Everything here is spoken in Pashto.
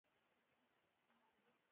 دې غلو نه به نو څنګه خلک په آرام شي.